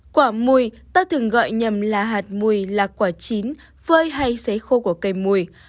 quả mùi ta thường gọi nhầm là hạt mùi là quả chín phơi hay xấy khô của cây mùi